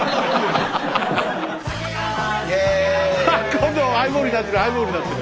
今度ハイボールになってるハイボールになってる。